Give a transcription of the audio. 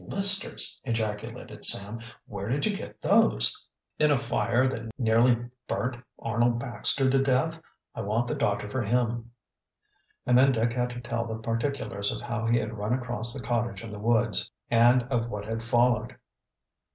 "Blisters!" ejaculated Sam. "Where did you get those?" "In a fire that nearly burnt Arnold Baxter to death. I want the doctor for him." And then Dick had to tell the particulars of how he had run across the cottage in the woods and of what had followed.